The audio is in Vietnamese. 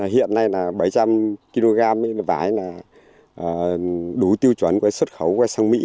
hiện nay là bảy trăm linh kg vải đủ tiêu chuẩn xuất khẩu sang mỹ